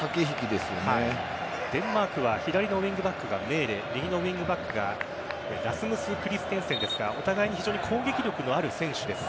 デンマークは左のウイングバックがメーレ右のウイングバッグがラスムス・クリステンセンですがお互い非常に攻撃力のある選手です。